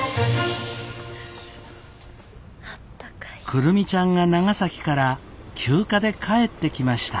久留美ちゃんが長崎から休暇で帰ってきました。